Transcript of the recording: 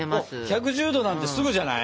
１１０℃なんてすぐじゃない？